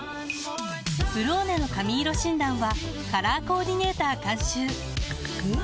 「ブローネ」の髪色診断はカラーコーディネーター監修おっ！